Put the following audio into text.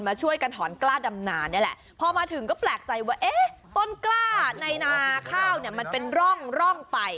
มาช่วยกันถอนกล้าดำนานี่แหละพอมาถึงก็แปลกใจว่าเอ๊ะต้นกล้าในนาข้าวเนี่ยมันเป็นร่องร่องไป